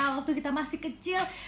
waktu kita masih kecil